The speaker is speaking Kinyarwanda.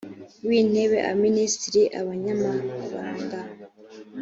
w intebe abaminisitiri abanyamabanga